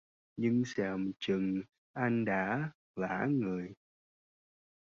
Nhưng xem chừng anh đã lả người